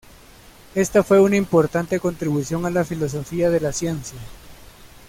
Esta fue una importante contribución a la filosofía de la ciencia.